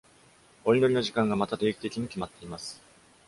お祈りの時間がまた定期的に決まっています。